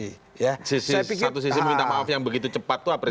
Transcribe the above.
satu sisi meminta maaf yang begitu cepat itu apresiasi